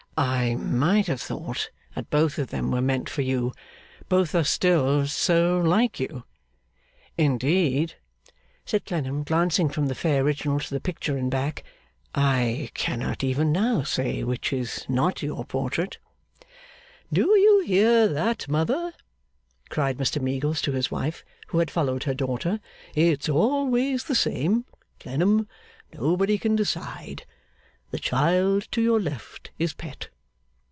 'I might have thought that both of them were meant for you, both are still so like you. Indeed,' said Clennam, glancing from the fair original to the picture and back, 'I cannot even now say which is not your portrait.' 'D'ye hear that, Mother?' cried Mr Meagles to his wife, who had followed her daughter. 'It's always the same, Clennam; nobody can decide. The child to your left is Pet.